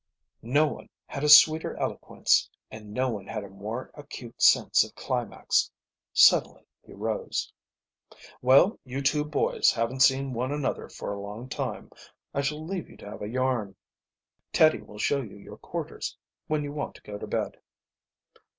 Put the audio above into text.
No one had a sweeter eloquence, and no one had a more acute sense of climax. Suddenly he rose. "Well, you two boys haven't seen one another for a long time. I shall leave you to have a yarn. Teddie will show you your quarters when you want to go to bed."